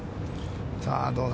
さあどうだ。